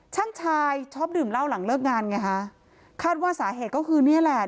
ชายชอบดื่มเหล้าหลังเลิกงานไงฮะคาดว่าสาเหตุก็คือนี่แหละ